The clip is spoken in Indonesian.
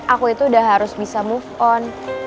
aku itu udah harus bisa move on